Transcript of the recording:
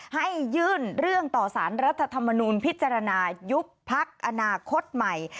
ให้ยื่นเรื่องต่อสารรัฐธรรมนูลพิจารณายุบพักอนาคตใหม่